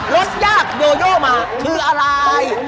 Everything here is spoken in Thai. รสยากโยโยมาคืออะไร